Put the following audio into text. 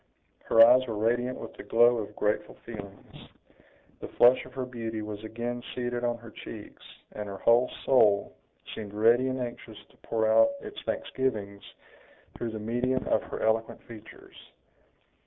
Her eyes were radiant with the glow of grateful feelings; the flush of her beauty was again seated on her cheeks, and her whole soul seemed ready and anxious to pour out its thanksgivings through the medium of her eloquent features.